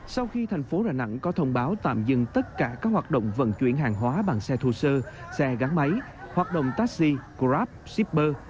sau khi thành phố đà nẵng có thông báo tạm dừng tất cả các hoạt động vận chuyển hàng hóa bằng xe thô sơ xe gắn máy hoạt động taxi grab shipper